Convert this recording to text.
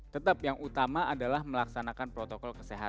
tetap yang utama adalah melaksanakan protokol kesehatan